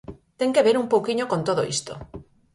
Ten que ver un pouquiño con todo isto.